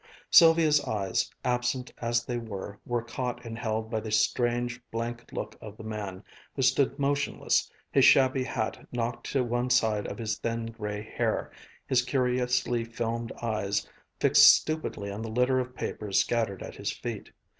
Sylvia's eyes, absent as they were, were caught and held by the strange, blank look of the man, who stood motionless, his shabby hat knocked to one side of his thin, gray hair, his curiously filmed eyes fixed stupidly on the litter of papers scattered at his feet.